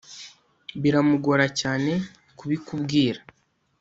biramugora cyane kubikubwira